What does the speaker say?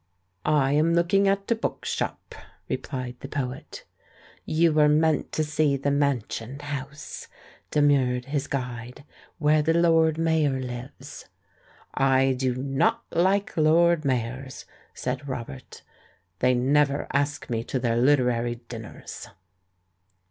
"I am looking at a bookshop," replied the poet. "You were meant to see the JNIansion House," demurred his guide, "where the Lord Mayor lives." "I do not like Lord Mayors," said Robert; "they never ask me to their literary dinners."